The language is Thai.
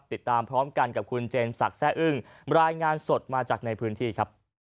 ติดตามพร้อมกันกับคุณเจนศักดิ์แซ่อึ้งรายงานสดมาจากในพื้นที่ครับ